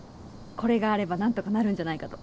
これがあれば何とかなるんじゃないかと。